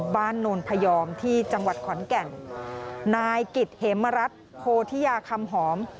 โนนพยอมที่จังหวัดขอนแก่นนายกิจเหมรัฐโพธิยาคำหอม